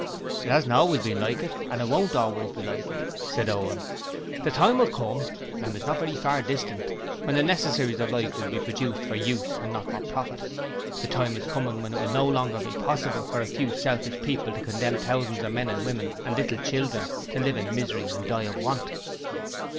'It hasn't always been like it, and it won't always be like it,' said Owen. 'The time will come, and it's not very far distant, when the necessaries of life will be produced for use and not for profit. The time is coming when it will no longer be possible for a few selfish people to condemn thousands of men and women and little children to live in misery and die of want.'